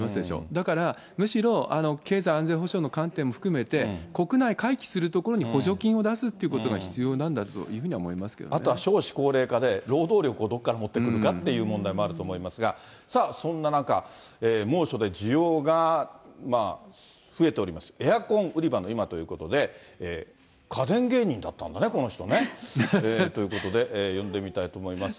だから、むしろ経済安全保障の観点も含めて、国内回帰するところに補助金を出すってことが必要なんだというふあとは少子高齢化で、労働力をどこから持ってくるかって問題もあると思いますが、さあ、そんな中、猛暑で需要が増えております、エアコン売り場の今ということで、家電芸人だったんだね、この人ね。ということで、呼んでみたいと思います。